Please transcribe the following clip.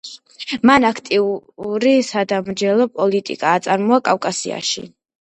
მან აქტიური, სადამსჯელო პოლიტიკა აწარმოა კავკასიაში.